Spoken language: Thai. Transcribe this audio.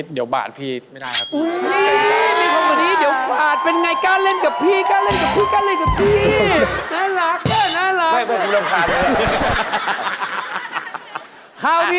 ได้ครับได้